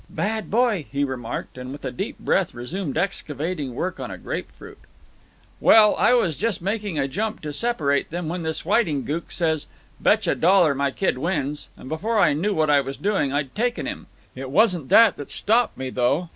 "Bad boy," he remarked, and with a deep breath resumed excavating work on a grapefruit. "Well, I was just making a jump to separate them when this Whiting gook says, 'Betcha a dollar my kid wins!' and before I knew what I was doing I'd taken him. It wasn't that that stopped me, though.